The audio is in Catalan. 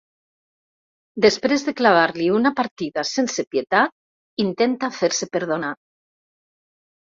Després de clavar-li una partida sense pietat intenta fer-se perdonar.